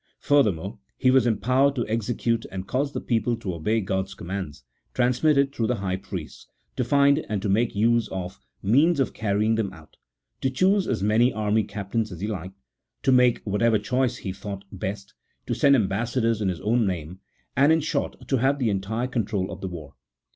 Furthermore, he was em powered to execute, and cause the people to obey God's commands, transmitted through the high priests ; to find, 1 See Note 31. CHAP. XVII.] OF THE HEBREW THEOCRACY. 223 and to make use of, means for carrying them ont ; to choose as many army captains as he liked; to make whatever choice he thought best ; to send ambassadors in his own name ; and, in short, to have the entire control of the war.